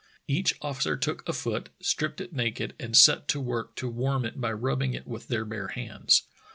Each officer took a foot, stripped it naked, and set to work to warm it by rubbing it with their bare hands.